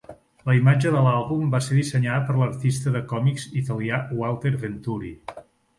La imatge de l'àlbum va ser dissenyada per l'artista de còmics italià Walter Venturi.